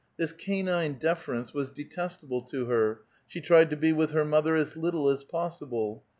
This canine deference was detestable to her ; she tried to be with her mother as little as possible.